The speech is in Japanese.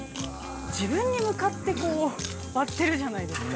◆自分に向かって割ってるじゃないですか。